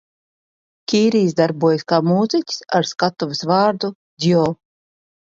Kīrijs darbojas kā mūziķis ar skatuves vārdu Djo.